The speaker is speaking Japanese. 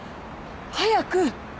早く！